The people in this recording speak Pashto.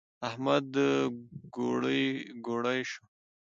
احمد ګوړۍ شو.